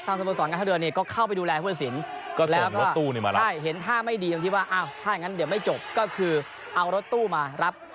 ทางสมสอสการท่าเรือนี่ก็เข้าไปดูแลพุทธศิลป์